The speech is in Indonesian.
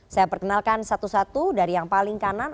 saya perkenalkan satu satu dari yang paling kanan